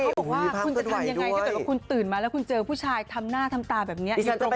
คุณจะทำอย่างไรถ้าเกิดว่าคุณตื่นมาแล้วคุณเจอผู้ชายทำหน้าทำตาแบบนี้อยู่ตรงหน้าคุณ